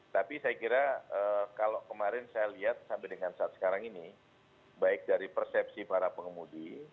tapi saya kira kalau kemarin saya lihat sampai dengan saat sekarang ini baik dari persepsi para pengemudi